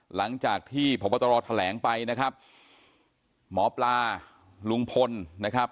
หลังจากที่พบตรแถลงไปนะครับหมอปลาลุงพลนะครับ